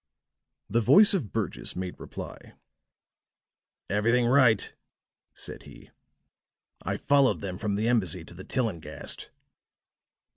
The voice of Burgess made reply. "Everything right," said he. "I followed them from the embassy to the Tillinghast."